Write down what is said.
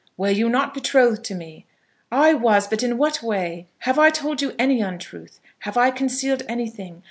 "Were you not betrothed to me?" "I was; but in what way? Have I told you any untruth? Have I concealed anything?